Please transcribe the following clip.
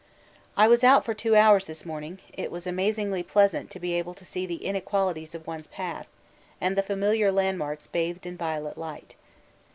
I was out for two hours this morning it was amazingly pleasant to be able to see the inequalities of one's path, and the familiar landmarks bathed in violet light.